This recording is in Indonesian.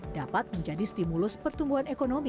dapat menjadi stimulus pertumbuhan ekonomi